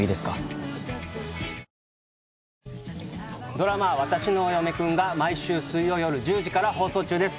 ドラマ『わたしのお嫁くん』が毎週水曜夜１０時から放送中です。